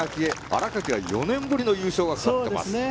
新垣は４年ぶりの優勝がかかっています。